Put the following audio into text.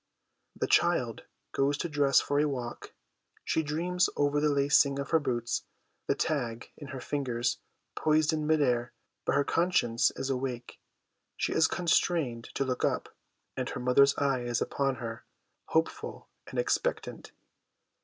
The child goes to dress for a walk ; she dreams over the lacing of her boots the tag in her fingers poised in mid air but her conscience is awake ; she is con strained to look up, and her mother's eye is upon her, hopeful and expectant.